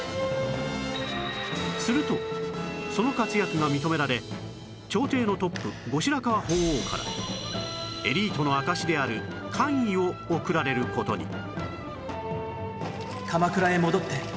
するとその活躍が認められ朝廷のトップ後白河法皇からエリートの証しである官位を贈られる事にっていう事になってるの？